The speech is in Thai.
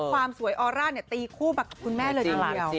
ความสวยออร่าเนี่ยตีคู่กับคุณแม่เลยจริง